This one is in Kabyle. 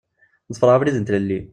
Ḍefreɣ abrid n tlelli.